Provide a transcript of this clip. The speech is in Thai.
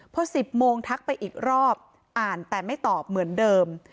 พอ๑๐โมงทักไปอีกรอบอ่านแต่ไม่ตอบเหมือนเดิม